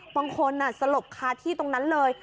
สลบคาที่ตรงนั้นเลย